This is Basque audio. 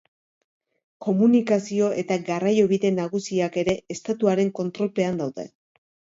Komunikazio eta garraiobide nagusiak ere estatuaren kontrolpean daude.